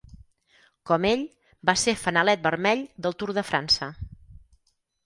Com ell, va ser fanalet vermell del Tour de França.